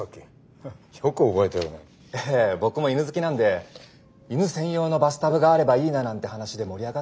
ええ僕も犬好きなんで犬専用のバスタブがあればいいななんて話で盛り上がって。